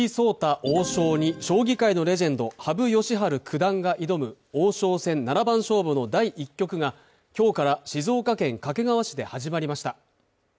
王将に将棋界のレジェンド、羽生善治九段が挑む王将戦七番勝負の第１局が今日から静岡県掛川市で始まりました。